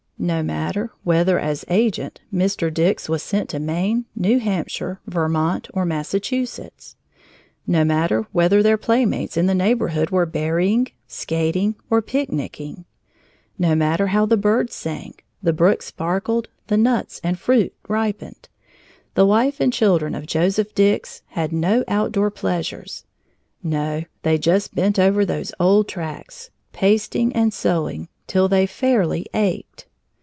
No matter whether, as agent, Mr. Dix was sent to Maine, New Hampshire, Vermont, or Massachusetts; no matter whether their playmates in the neighborhood were berrying, skating, or picnicking; no matter how the birds sang, the brooks sparkled, the nuts and fruit ripened; the wife and children of Joseph Dix had no outdoor pleasures, no, they just bent over those old tracts, pasting and sewing till they fairly ached.